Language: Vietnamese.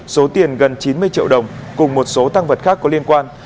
số tiền gần chín mươi triệu đồng cùng một số tăng vật khác có liên quan